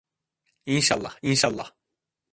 İnşallah, inşallah…